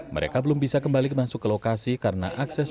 mereka belum bisa kembali masuk ke lokasi karena akses